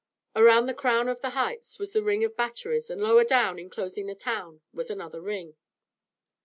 Around the crown of the heights was a ring of batteries and lower down, enclosing the town, was another ring.